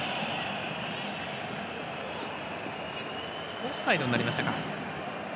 オフサイドになりましたか。